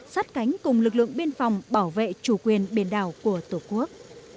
sát cánh cùng lực lượng biên phòng bảo vệ chủ quyền biển đảo của tổ quốc